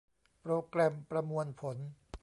โปรแกรมประมวลผล